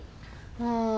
ああ。